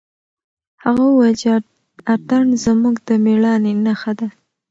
هغه وویل چې اتڼ زموږ د مېړانې نښه ده.